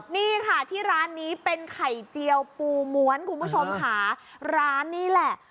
นี่ค่ะที่ร้านนี้เป็นไข่เจียวปูม้วนคุณผู้ชมค่ะร้านนี่แหละ